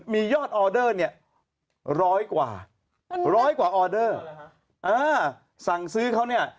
มียอดออเดอร์เนี่ยร้อยกว่าร้อยกว่าออเดอร์สั่งซื้อเขาเนี่ย